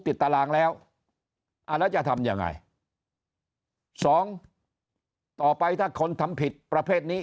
ติดตารางแล้วอาจจะทำยังไง๒ต่อไปถ้าคนทำผิดประเภทนี้